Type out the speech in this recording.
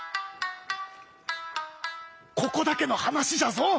ここだけの話じゃぞ！